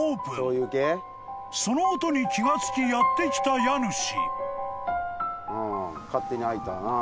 ［その音に気が付きやって来た家主］